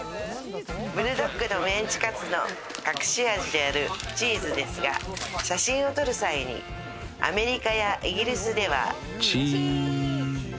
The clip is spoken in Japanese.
ブルドックのメンチカツの隠し味であるチーズですが、写真を撮る際に、アメリカやイギリスでは、チーズ。